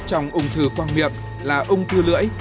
trong ông thư khoang miệng là ông thư lưỡi